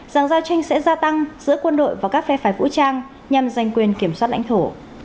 rằng giao tranh sẽ gia tăng giữa quân đội và các phe phái vũ trang nhằm giành quyền kiểm soát lãnh thổ